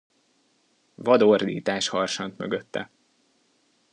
Vad ordítás harsant mögötte.